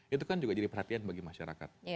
itu kan juga jadi perhatian bagi masyarakat